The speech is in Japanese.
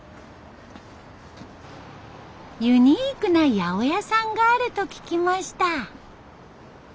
ユニークな八百屋さんがあると聞きました。